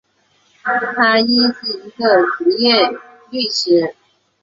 他亦是一个执业律师。